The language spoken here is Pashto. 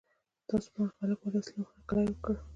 ستاسو په اند خلکو ولې له اسلام هرکلی وکړ؟